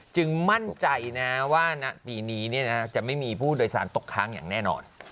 จึงมั่นใจว่าปีนี้จะไม่มีผู้โดยศานตกค้างแน่นอน